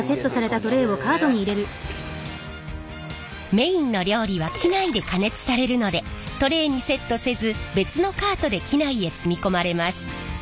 メインの料理は機内で加熱されるのでトレーにセットせず別のカートで機内へ積み込まれます。